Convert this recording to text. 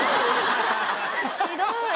ひどい。